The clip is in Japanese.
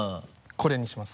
これにします。